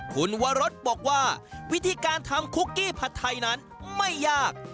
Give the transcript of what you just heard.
คุณวรสบอกว่าวิธีการทำคุกกี้ผัดไทยนั้นไม่ยาก